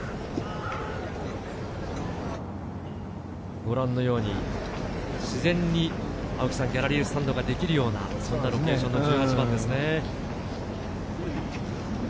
ご覧のようにギャラリースタンドが自然にできるようなロケーションの１８番です。